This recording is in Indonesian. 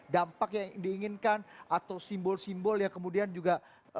dampak yang diinginkan atau simbol simbol yang kemudian juga